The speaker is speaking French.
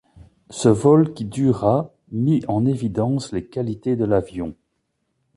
Ce vol qui dura mit en évidence les qualités de l'avion.